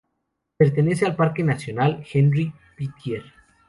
Pertenece al Parque nacional Henri Pittier.